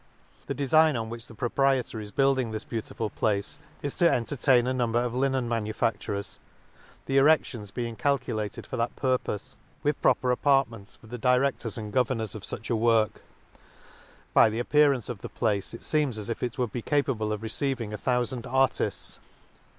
— The defign on which the proprietor is building this beautiful place is, to entertain a number of linen manufacturers, the erections be ing calculated for that purpofe, with pro per apartments for the directors and go H vernors S% A Excursion rt vernors of fuch a work. — By the ap pearance of the place, it feems as if it would be capable of receiving a thoufand artifts.